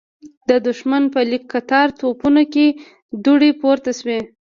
د دښمن په ليکه کتار توپونو کې دوړې پورته شوې.